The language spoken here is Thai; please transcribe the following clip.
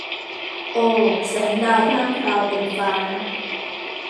โอ แสงดาวพร่างพราวเต็มฟ้า